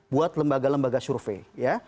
buat lembaga lembaga survei